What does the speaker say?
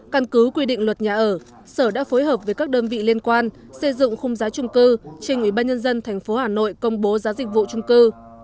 căn cứ quy định luật nhà ở sở đã phối hợp với các đơn vị liên quan xây dựng khung giá trung cư trên ủy ban nhân dân tp hà nội công bố giá dịch vụ trung cư